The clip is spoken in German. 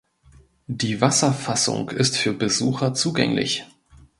Die Wasserfassung ist für Besucher zugänglich.